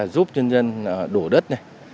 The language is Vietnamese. giúp nhân dân đổ đất